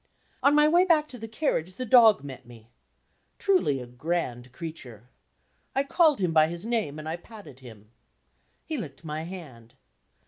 On my way back to the carriage, the dog met me. Truly, a grand creature. I called him by his name, and patted him. He licked my hand.